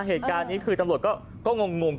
เหตุการณ์นี้คือตำรวจก็งง